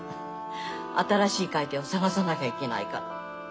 新しい買い手を探さなきゃいけないから。